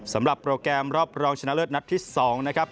สำหรับโปรแกรมรอบรองชนะเลิศนัดที่๒นะครับ